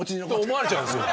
思われちゃうんですよ。